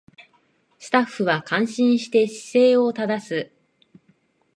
スタッフは感心して姿勢を正す